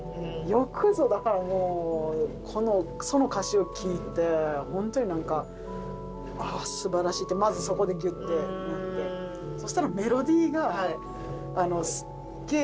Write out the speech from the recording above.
よくぞ、だからもう、その歌詞を聴いて、本当になんか、ああ、すばらしいって、まずそこでぎゅってなって、そしたらメロディーが。